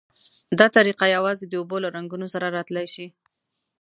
دا طریقه یوازې د اوبو له رنګونو سره را تلای شي.